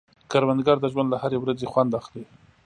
کروندګر د ژوند له هرې ورځې خوند اخلي